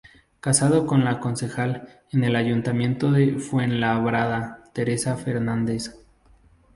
Casado con la concejal en el Ayuntamiento de Fuenlabrada Teresa Fernández.